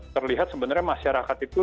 terlihat sebenarnya masyarakat itu